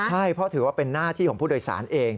ใช่เพราะถือว่าเป็นหน้าที่ของผู้โดยสารเอง